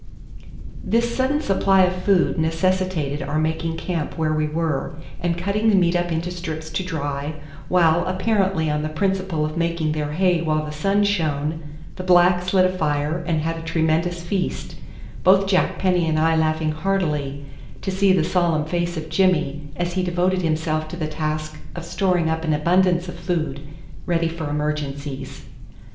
This sudden supply of food necessitated our making camp where we were, and cutting the meat up into strips to dry, while, apparently on the principle of making their hay while the sun shone, the blacks lit a fire and had a tremendous feast, both Jack Penny and I laughing heartily to see the solemn face of Jimmy as he devoted himself to the task of storing up an abundance of food, ready for emergencies.